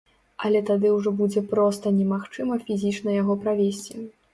Але тады ўжо будзе проста немагчыма фізічна яго правесці.